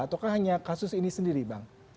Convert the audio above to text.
ataukah hanya kasus ini sendiri bang